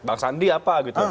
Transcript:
bang sandi apa gitu